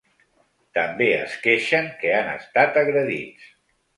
També es queixen que han estat agredits.